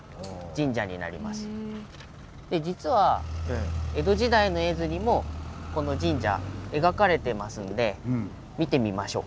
実は江戸時代の絵図にもこの神社描かれてますんで見てみましょう。